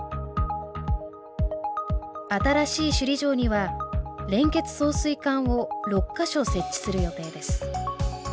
新しい首里城には連結送水管を６か所設置する予定です。